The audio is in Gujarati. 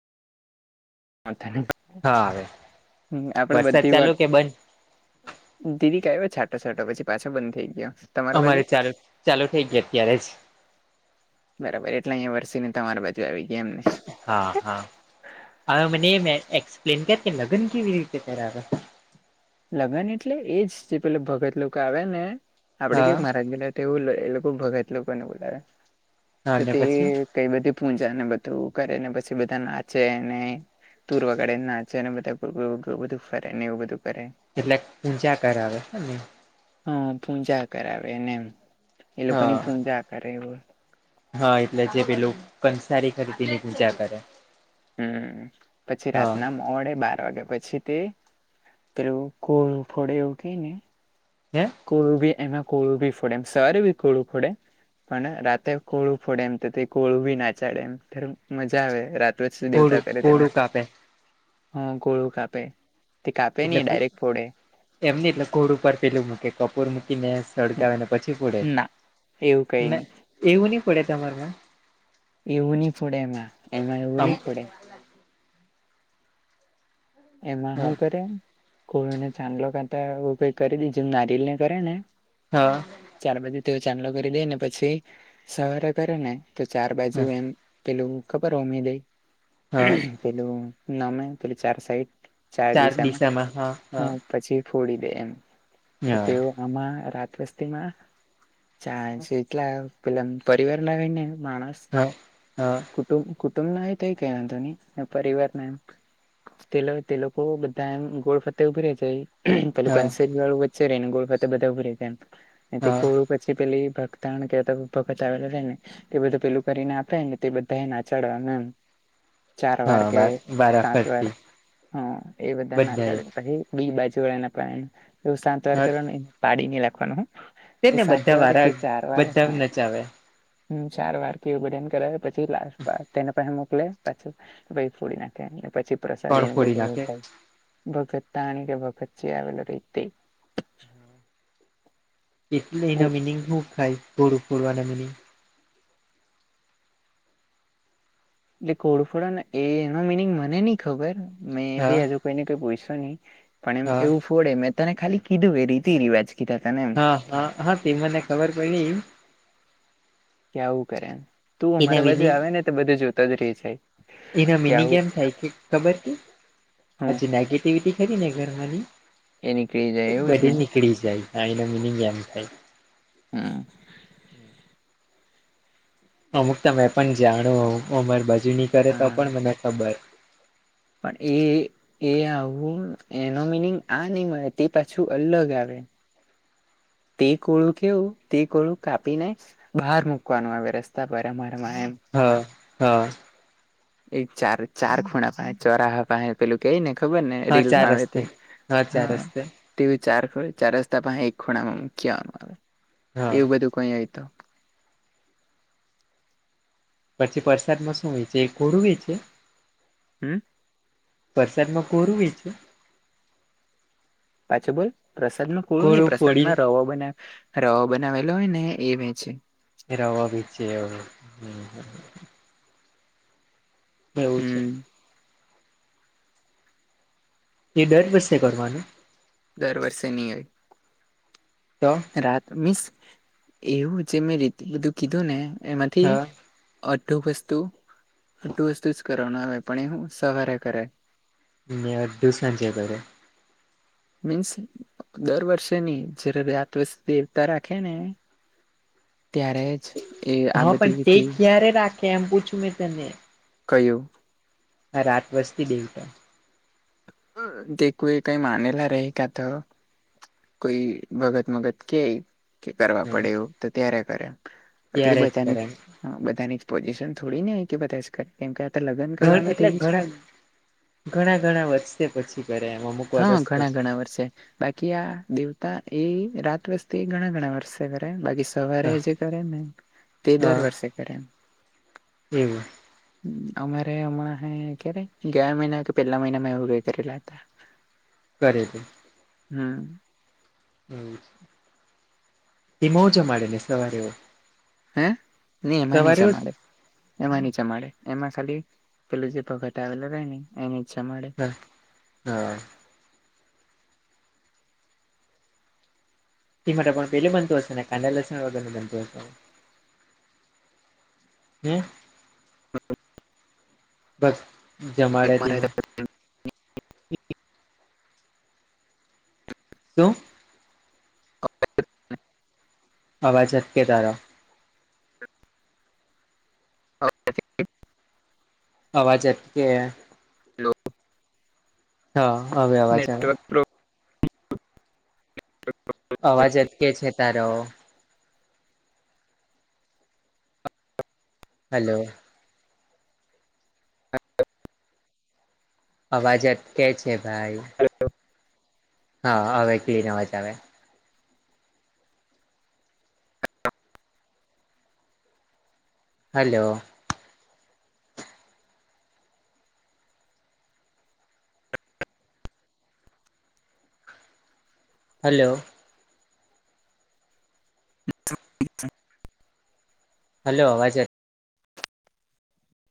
હા આવે હમ આપડે વરસાદ બધી ચાલુ વાત. કે બંધ દીદી ક આવ છાટા છાટા પછી પાછા બંધ થઈ ગયા. અમારે ચાલુ ચાલુ થઈ ગય અત્યારે જ બરાબર એટલે અહીંયા વરસી ને તમારા બાજુ આવી ગયા એમને હા હા હ મને એક્સપ્લેન કર લગ્ન કેવી રીતે કરાવે?. લગ્ન એટલે એજ જે પે ભગત લોકો આવ્યા ને આપડે કે હા મહારાજ તેવું એ લોકો ભગાયત લોકોને બોલા હા તો અને તે. પછી કઈ બધી પૂજા ને બધું કરેને પછી બધા નાચેને તૂરવાગાે નાચેને બધા બધું ફરે ને એવું બધું કરે. એટલે ઊચ્યા કરાવ નહી. હ પૂજા કરાવેને એ લોકો હા ની પૂજા કરે એ હો. હા એટલે જે પેલું કંસારી ખરીદી ની પૂજા કરે. હમ પછી હા રાતના મોડે બાર પછી તે પેલું કો ફડે એવું કેયને હે કોળું બી એમાં કોળું બી ફોડે એમ સું બી કોળું ફોડે. પણ રાતે કોળું ફોડે એમ તો તે કોળું ભી નાચાડે એમ મજા આવે દેવતા ઘોડું કરે તેમાં ઘોડું કાપે હા ગોળું કાપે તે કાપે નહી ડાયરેક્ટ ફોડે. એમ એટલે ઘોડ ઉપર ફેલું મૂકે કપૂર મૂકી ને તડક ને પછી પડે ના એવું કઈ ના, નહી એવું નહી પડે તમાર માં? એવું નહ ફડે એમાં એમાં એવું આમ નહ ફડે. એમાં શું કરે કોઈને ચાંદલો કાતા એું કઈ કરી દી જે નારિલ ને કરે ને હા. ચાર બાજુ તેઓ ચાંદલો કરી દે ને પછી સવારે કરે ને તો ચાર બાજુ હા એમ પલુ ક રોમિ લ હા પલુ નામે પલ ચાર સઈટ ચાર દિશમાં હા પછી ફોડી દે એમ હા તેઓ આમાં રાત વસ્તીમાં ચા ચ પ પરીવા માણસ હા હા. કુટું કુટુંબ ના કઈ ના ધોની પરિવારના તે લોકો બધા એમ ગોળ ફતે ઉભી રે જય પેલુ હા કરી વાળું. ને ગોળ ફ બધા ઉભ ર એમ હા કો પછી પેલી ભક્તાણ કે ભગત આવેલા રે ને તે બધું પેલું કરીને આપડે ને તે બધા એ નાચાડવા એમ. ચાર વાર હા કે વારા સાત વાર. ફરતી હ એ બધા ના ચાડે પછી બી બાજુ વળે એવું સાંતવાર હા કર પાડીને લખવાનું હ એ સાત વાર કે ચાર વાર હા ચા આવે હમ ચાર વાર કેવું બધન કરાવે પછી લાસ તેને પણ મોકલે પાછી પહિ ફોડી નાખે, પછી પ્રસાદ કોણ એને ફોડી બધું નાખે વેચાય. ભગતતાણી કે ભગતજી જે આવેલ રેય તે એટલે એના મિનિંગ હું થાય? ગોરું ફોરવાના મિનિંગ? એટલે કોડફોડને એ એનો મિનિંગ મને ની ખબર મેં હા ભી હજુ તને કોઈ પૂયશુ ની પણ એમ હા એવું ફોડે મેં તને ખાલી કીધું એ રીતિ રિવાજ કીધા તને એમ હા હા હા તે મને કવર પયડી. કે આવું કરે એમ. તું એના અમારા બાજુ મિનિંગ આવે ને તો બધું જોતા જ રહી જાય, એના કે મિનિંગ આવુંહું અજી નાયકિ એક્ટિવિટી કરીને એ નીકળી જાય ઘરમાંની એવું જ બધી ને નીકળી જાય હ એનો મીનિંગ એમ થાય હા. અમુક તો મેં પણ જાણું. અમાર બાજુની કરે તો હા પણ મને ખબર પણ એ એ આવું એનો મિનિંગ આ નઈ મળે તે પાછું અલગ આવે. તે કોળું કેવું તે કોળું કાપીને બહાર મૂકવાનું આવે રસ્તા પર અમારેમાં એમ હ હ. એ ચાર ચાર ખુણા પાહે ચોરાહ પાહે પેલું કેઈ ને ખબર ને હા ચાર રીલમાં આવે તે રસ્તે હા હ. ચાર રસ્તે તેવું ચાર ખ ચાર રસ્તા પાસે એક ખૂણામાં મકી આવવા નું હા એવુ બધું કઈ હોય તો. પછી વરસાદમાં શું વેચે? એ કોડું વેચે? હમ્મ પરસાદમાં કોરું વેચે? પાછો બોલ પ્રસાદ માં કોરું ની પ્રસાદમાં રવા બના રવો બનાવેલો હોય ને એ વેચે. એ રવો વેચે એવું છે. હમ એ દર વર્ષે કરવાનું? દર વર્ષે ની હોય. ત? રાત મીસ એવું જે મેં રીત બીધું કીધું ને એમાંથી હા અઢું વસ્તુ અઢું વસ્તુ જ કરવાનું આવે પણ એ હું સવારે કરાય ને અડધું સાંજે કરે મીન્સ દર વર્ષે ની જયારે રાત વસ દેવતા રાખે ને. ત્યારે જ એ આ હા બધી પણ તે રીતે ક્યારે રાખે? એમ પૂછું મેં તને કયું? હા રાત વજતી દેવતા દેખું એ કઈ માનેલા રય કાતો કોઈ વગત મગત કેય કરવા હમ પડે એવું તો ત્યારે કરે બાકી તો ત્યારે જ બધાની કરે એમ બધાની પોઝિશન થોડી ને હોય કે બધા જ કરે કેમ કે આ લગન ઘણ કરવાનું એટલે તેવુ જ ઘણા ઘણા ઘણા વર્ષે પછી કરે એમ અમુક હા વર્ષ ઘણા પછી ઘણા વર્ષે બાકી આ દેવતા એ રાત વસ્તી ઘણા ઘણા વર્ષે કરે બગીસ સવારે હા જે કરે ને તે દર વર્ષે કરે એમ એવુ અમારે હમણાં હ ક્યારે ગયા મહિના કે પેલા મહિનામાં એવું કરી લેતા કરે છે. હમ્મ હ એ મ મોજા મળે ને સવારેવ હે એમાં ન જ ઉઠ અમારે. એમાં ની ચમાડે એમાં ખાલી પેલું જે પગટ આવેલ રહે ને એને ચમાડે. હા હા. તે માટે પણ પેલું બનતું હશે ને કાંદા લસણ વગરનું બનતું હશે હમ હ બસ જમાડ્યા નત શું આવાજતકે તારા. ઓકે થક ય [unintelligible] અવાજટ કે. હલો. હા હવે અવા છે આવે. અવાજ અટકે છે તારો. હલો. અવાજત કે છે ભાઈ હા હવે કિલીન અવાજ આવે હલો હલો હલો અવાજ જ